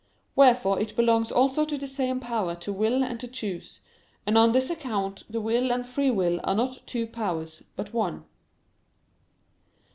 Wherefore it belongs also to the same power to will and to choose: and on this account the will and the free will are not two powers, but one.